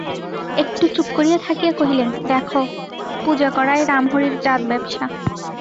একটু চুপ করিয়া থাকিয়া কহিলেন, দেখো, পূজা করাই রামহরির জাত-ব্যাবসা।